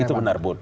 itu benar bud